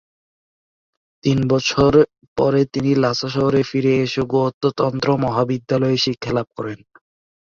তিন বছর পরে তিনি লাসা শহরে ফিরে এসে গ্যুতো তন্ত্র মহাবিদ্যালয়ে শিক্ষালাভ করেন।